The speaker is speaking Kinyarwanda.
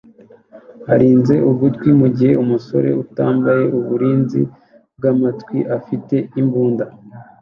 arinze ugutwi mugihe umusore utambaye uburinzi bwamatwi afite imbunda